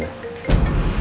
mau bersiap ma